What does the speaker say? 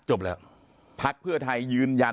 จบแล้วพักเพื่อไทยยืนยัน